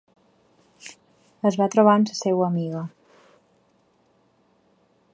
Es va trobar amb sa seua amiga